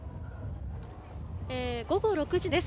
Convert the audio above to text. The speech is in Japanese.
午後６時です。